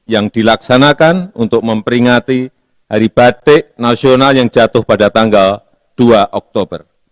yang dilaksanakan untuk memperingati hari batik nasional yang jatuh pada tanggal dua oktober